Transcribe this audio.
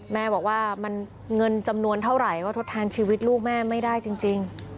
แม่บอกว่ามันเงินจำนวนเท่าไหร่ก็ทดแทนชีวิตลูกแม่ไม่ได้จริง